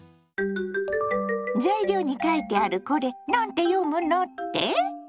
材料に書いてあるこれ何て読むのって？